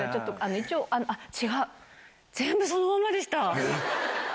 一応、違う、全部そのまんまでした。